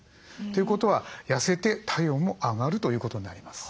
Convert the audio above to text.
ということは痩せて体温も上がるということになります。